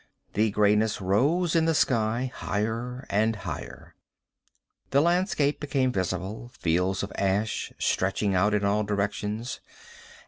The grayness rose in the sky, higher and higher. The landscape became visible, fields of ash stretching out in all directions.